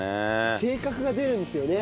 性格が出るんですよね。